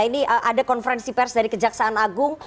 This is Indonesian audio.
ini ada konferensi pers dari kejaksaan agung